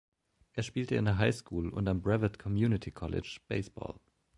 Er spielte in der Highschool und am Brevard Community College Baseball.